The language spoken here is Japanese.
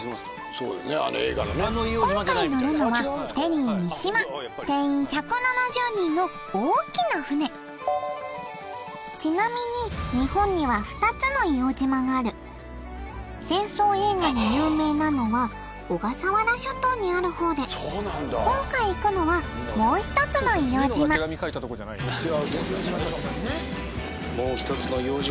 今回乗るのはフェリーみしま定員１７０人の大きな船ちなみに日本には２つの硫黄島がある戦争映画で有名なのは小笠原諸島にある方で今回行くのはもう１つの硫黄島もう１つの硫黄島